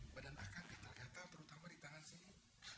badan akang gatal gatal terutama di tangan sini